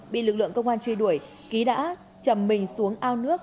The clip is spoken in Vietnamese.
bị lực lượng công an truy đuổi ký đã chầm mình xuống ao nước